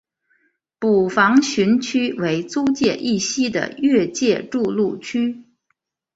捕房巡区为租界以西的越界筑路区。